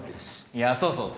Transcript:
いやそうそう。